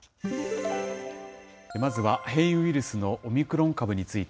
まずは変異ウイルスのオミクロン株について。